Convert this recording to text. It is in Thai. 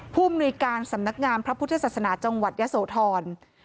ภูมิหน่วยการสำนักงานพระพุทธศาสนาจังหวัดยะโสธร